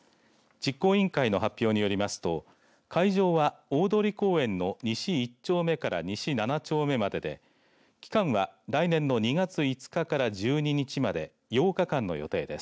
実行委員会の発表によりますと会場は、大通公園の西１丁目から西７丁目までで期間は、来年の２月５日から１２日まで８日間の予定です。